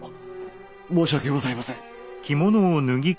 申し訳ございません。